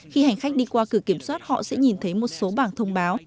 khi hành khách đi qua cửa kiểm soát họ sẽ nhìn thấy một số bảng thông báo